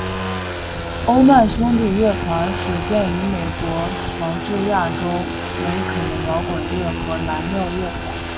欧曼兄弟乐团始建于美国乔治亚州梅肯的摇滚乐和蓝调乐团。